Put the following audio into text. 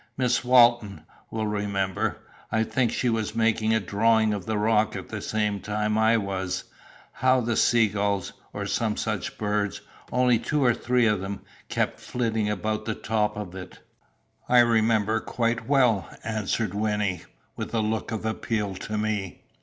"Miss Walton will remember I think she was making a drawing of the rock at the same time I was how the seagulls, or some such birds only two or three of them kept flitting about the top of it?" "I remember quite well," answered Wynnie, with a look of appeal to me.